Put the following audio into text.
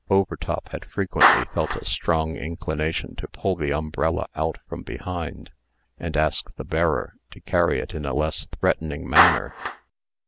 Overtop had frequently felt a strong inclination to pull the umbrella out from behind, and ask the bearer to carry it in a less threatening manner.